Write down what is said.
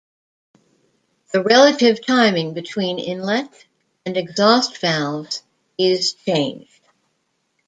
The relative timing between inlet and exhaust valves is changed.